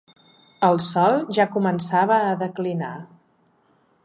El sol ja començava a declinar.